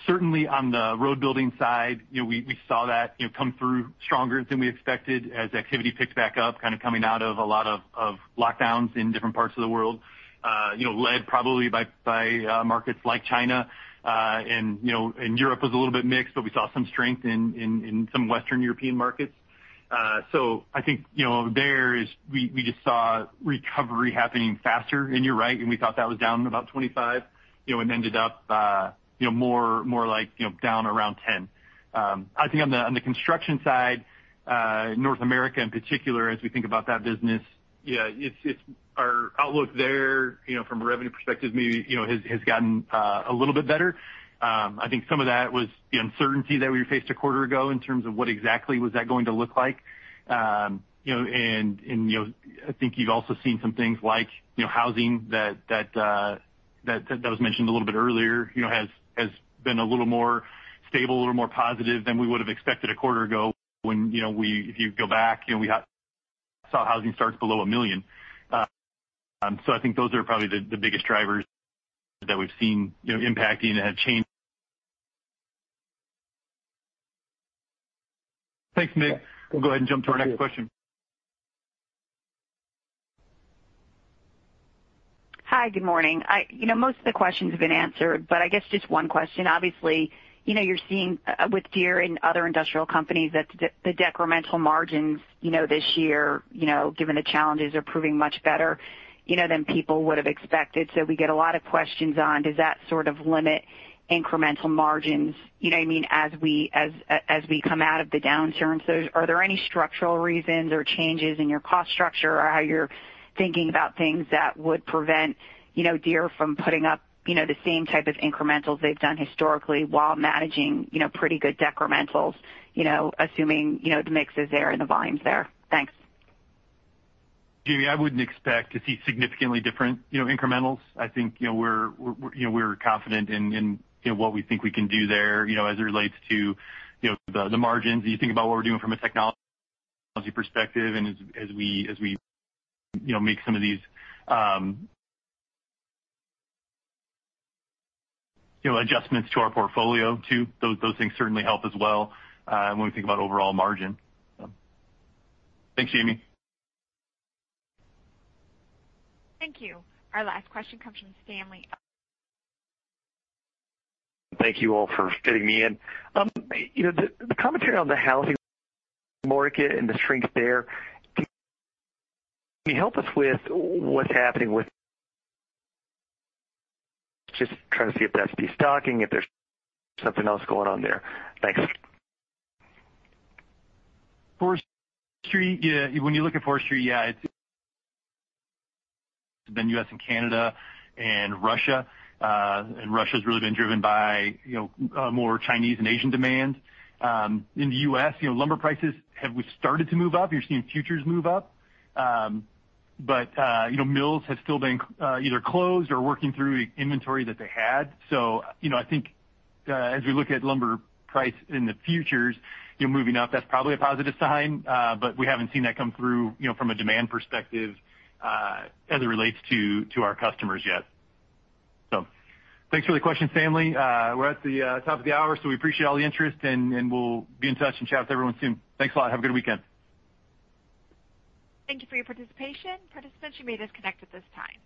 certainly on the road building side, we saw that come through stronger than we expected as activity picked back up, kind of coming out of a lot of lockdowns in different parts of the world. Led probably by markets like China, and Europe was a little bit mixed, but we saw some strength in some Western European markets. I think there is we just saw recovery happening faster, and you're right, and we thought that was down about 25%, and ended up more like down around 10%. I think on the construction side, North America in particular, as we think about that business, yeah, our outlook there from a revenue perspective maybe has gotten a little bit better. I think some of that was the uncertainty that we faced a quarter ago in terms of what exactly was that going to look like. I think you've also seen some things like housing that was mentioned a little bit earlier, has been a little more stable, a little more positive than we would've expected a quarter ago when if you go back, we saw housing starts below $1 million. I think those are probably the biggest drivers that we've seen impacting and have changed. Thanks, Mircea. We'll go ahead and jump to our next question. Hi. Good morning. Most of the questions have been answered, but I guess just one question. Obviously, you're seeing with Deere and other industrial companies that the decremental margins this year, given the challenges, are proving much better than people would've expected. We get a lot of questions on does that sort of limit incremental margins as we come out of the downturn? Are there any structural reasons or changes in your cost structure or how you're thinking about things that would prevent Deere from putting up the same type of incrementals they've done historically while managing pretty good decrementals, assuming the mix is there and the volume's there? Thanks. Jamie, I wouldn't expect to see significantly different incrementals. I think we're confident in what we think we can do there as it relates to the margins. You think about what we're doing from a technology perspective, and as we make some of these adjustments to our portfolio too, those things certainly help as well when we think about overall margin. Thanks, Jamie. Thank you. Our last question comes from Stanley. Thank you all for fitting me in. The commentary on the housing market and the strength there, can you help us with what's happening. Just trying to see if that's de-stocking, if there's something else going on there. Thanks. Forestry, when you look at forestry, yeah, it's been U.S. and Canada and Russia. Russia's really been driven by more Chinese and Asian demand. In the U.S., lumber prices have started to move up. You're seeing futures move up. Mills have still been either closed or working through inventory that they had. I think as we look at lumber price in the futures moving up, that's probably a positive sign. We haven't seen that come through from a demand perspective as it relates to our customers yet. Thanks for the question, Stanley. We're at the top of the hour, so we appreciate all the interest, and we'll be in touch and chat with everyone soon. Thanks a lot. Have a good weekend. Thank you for your participation. Participants, you may disconnect at this time.